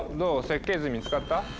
設計図見つかった？